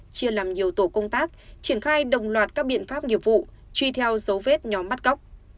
chia làm nhiều tổ công tác triển khai đồng loạt các biện pháp nghiệp vụ truy theo dấu vết nhóm bắt cóc